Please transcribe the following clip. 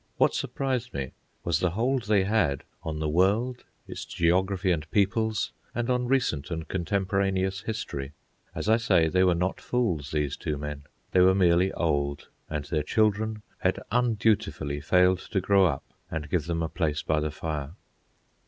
What surprised me was the hold they had on the world, its geography and peoples, and on recent and contemporaneous history. As I say, they were not fools, these two men. They were merely old, and their children had undutifully failed to grow up and give them a place by the fire.